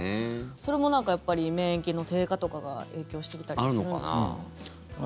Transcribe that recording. それもやっぱり免疫の低下とかが影響していたりするんですか？